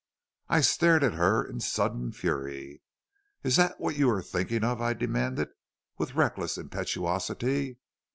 "I stared at her in sudden fury. "'Is that what you are thinking of?' I demanded, with reckless impetuosity.